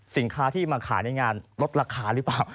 สินค้าที่มาขายในงานลดราคาหรือเปล่า